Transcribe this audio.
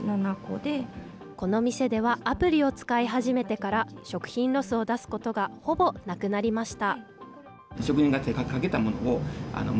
この店ではアプリを使い始めてから食品ロスを出すことが、ほぼなくなりました。